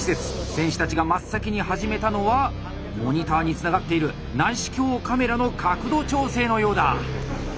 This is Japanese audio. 選手たちが真っ先に始めたのはモニターにつながっている内視鏡カメラの角度調整のようだ。